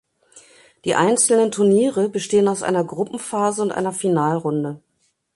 Die einzelnen Turniere bestehen aus einer Gruppenphase und einer Finalrunde.